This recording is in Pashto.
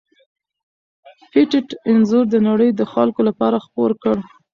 پېټټ انځور د نړۍ د خلکو لپاره خپور کړ.